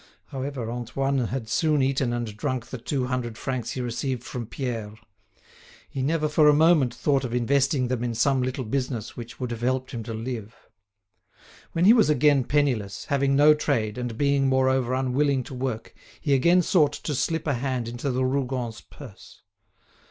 However, Antoine had soon eaten and drunk the two hundred francs he received from Pierre. He never for a moment thought of investing them in some little business which would have helped him to live. When he was again penniless, having no trade, and being, moreover, unwilling to work, he again sought to slip a hand into the Rougons' purse.